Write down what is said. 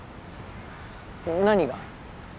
何が？